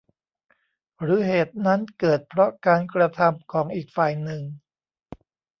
หรือเหตุนั้นเกิดเพราะการกระทำของอีกฝ่ายหนึ่ง